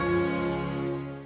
sengok jangan maut lo